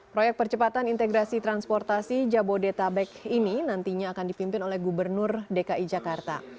proyek percepatan integrasi transportasi jabodetabek ini nantinya akan dipimpin oleh gubernur dki jakarta